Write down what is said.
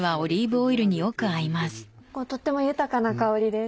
とっても豊かな香りです。